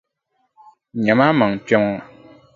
Nyami a maŋa kpe ŋɔ.